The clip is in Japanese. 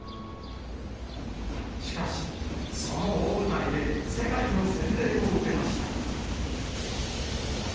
しかし、その大舞台で世界の洗礼を受けました。